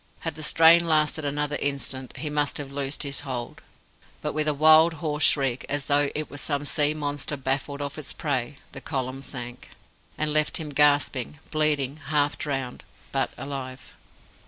Had the strain lasted another instant, he must have loosed his hold; but, with a wild hoarse shriek, as though it was some sea monster baffled of its prey, the column sank, and left him gasping, bleeding, half drowned, but alive.